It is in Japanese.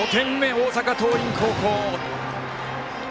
大阪桐蔭高校。